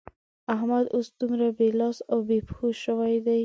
احمد اوس دومره بې لاس او بې پښو شوی دی.